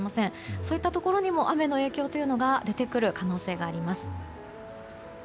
そういったところにも雨の影響が出てくる可能性があります。